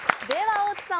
大津さん